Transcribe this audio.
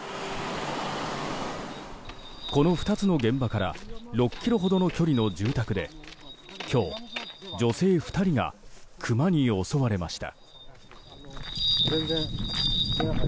この２つの現場から６ｋｍほどの距離の住宅で今日、女性２人がクマに襲われました。